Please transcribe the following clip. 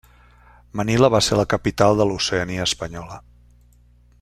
Manila va ser la capital de l'Oceania espanyola.